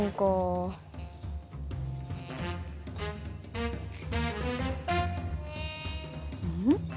うん？